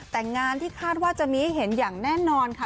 แต่งานที่คาดว่าจะมีให้เห็นอย่างแน่นอนค่ะ